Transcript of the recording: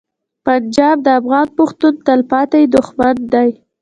پنجاب د افغان پښتون تلپاتې دښمن دی.